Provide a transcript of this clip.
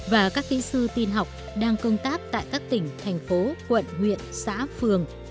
và các kỹ sư tin học đang công tác tại các tỉnh thành phố quận huyện xã phường